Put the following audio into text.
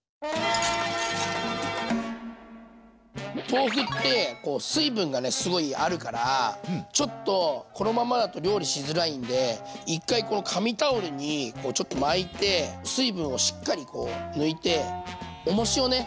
豆腐ってこう水分がねすごいあるからちょっとこのままだと料理しづらいんで一回この紙タオルにこうちょっと巻いて水分をしっかりこう抜いておもしをね